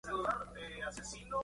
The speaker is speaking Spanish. Su padre era mariscal.